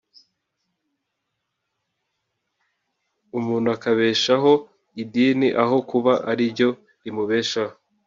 umuntu akabeshaho idini aho kuba ari ryo rimubeshaho